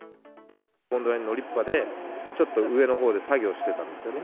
ゴンドラに乗りっぱで、ちょっと上のほうで作業してたんですよね。